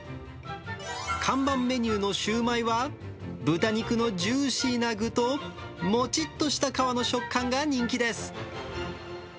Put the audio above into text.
看板メニューのシューマイは、豚肉のジューシーな具材と、もちっとした皮の食感が人気です。